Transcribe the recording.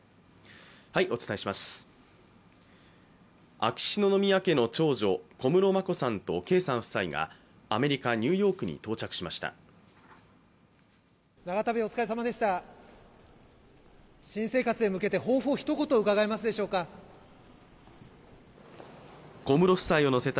秋篠宮家の長女、小室眞子さんと圭さん夫妻がアメリカ・ニューヨークに到着しました。